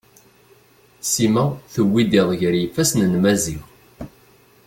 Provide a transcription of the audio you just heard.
Sima tewwid iḍ gar yifasen n Maziɣ.